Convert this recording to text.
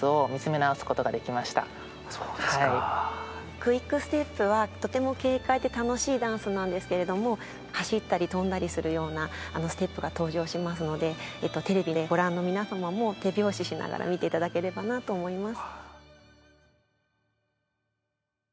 クイックステップはとても軽快で楽しいダンスなんですけれども走ったり跳んだりするようなステップが登場しますのでテレビでご覧の皆様も手拍子しながら見ていただければなと思います。